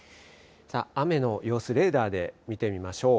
雨の様子、レーダーで見てみましょう。